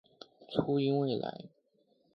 初音未来